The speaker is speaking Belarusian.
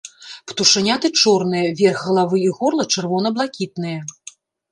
Птушаняты чорныя, верх галавы і горла чырвона-блакітныя.